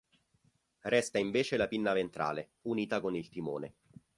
Resta invece la pinna ventrale, unita con il timone.